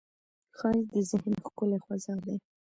ښایست د ذهن ښکلې خوځښت دی